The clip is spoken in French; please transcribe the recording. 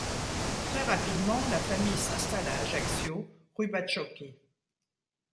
Très rapidement, la famille s'installe à Ajaccio, rue Bacciochi.